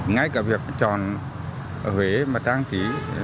ngay cả việc tròn ở huế mà trang trí